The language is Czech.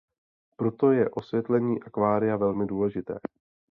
Proto je osvětlení akvária velmi důležité.